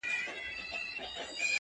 نه په كار مي دي تختونه هوسونه!!